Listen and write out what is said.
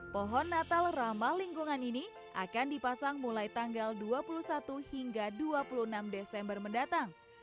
pohon natal ramah lingkungan ini akan dipasang mulai tanggal dua puluh satu hingga dua puluh enam desember mendatang